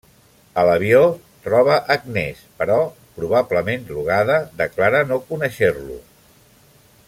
A l'avió, troba Agnès, però probablement drogada, declara no conèixer-lo.